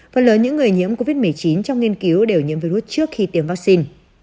phần lớn những người nhiễm covid một mươi chín trong nghiên cứu đều nhiễm virus trước khi tiêm vaccine